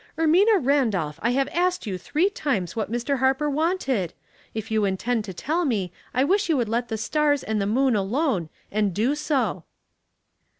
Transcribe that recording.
" Ermina Randolph, I have asked you tliree times what Mr. Harper wanted. If you intend to tell me, I wish you would let the stars and the moon alone, and do so."